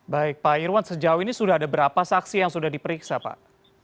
baik pak irwan sejauh ini sudah ada berapa saksi yang sudah diperiksa pak